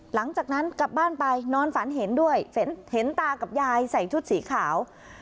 หลังจากนั้นกลับบ้านไปนอนฝันเห็นด้วยเห็นตากับยายใส่ชุดสีขาว